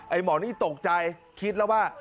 หมอนี่ตกใจคิดแล้วว่า